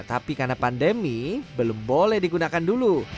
tapi karena pandemi belum boleh digunakan dulu